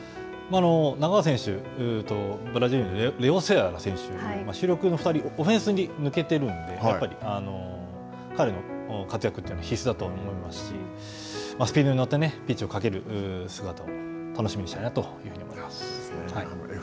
仲川選手とレオ・セアラ選手、主力の２人、オフェンスに抜けているので、彼の活躍というのは必須だと思いますし、スピードに乗ってピッチをかける姿を楽しみ横浜